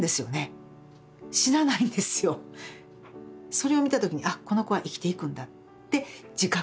それを見た時にあっこの子は生きていくんだって自覚